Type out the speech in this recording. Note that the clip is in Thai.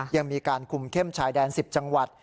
ยังมีการคุมเข้มชายแดน๑๐จังหวัด